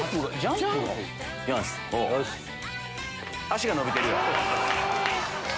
足が伸びてるよ。